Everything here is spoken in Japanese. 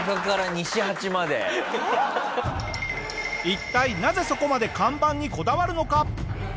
一体なぜそこまで看板にこだわるのか？